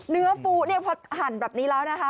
เนื้อฟู้เนี่ยพอหั่นแบบนี้แล้วนะคะ